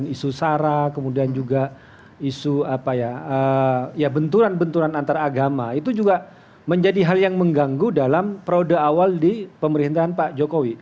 isu sara kemudian juga isu apa ya benturan benturan antaragama itu juga menjadi hal yang mengganggu dalam perode awal di pemerintahan pak jokowi